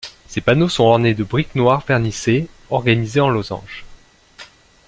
Ces panneaux sont ornés de briques noires vernissées organisées en losanges.